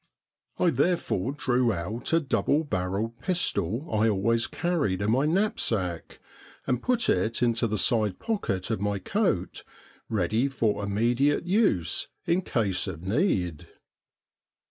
I therefore drew out a double barrelled pistol I always carried in my knapsack, and put it into the side pocket of my coat ready for immediate use in case of need.